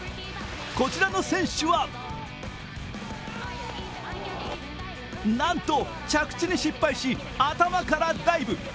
こちらの選手は、なんと着地で失敗し、頭からダイブ。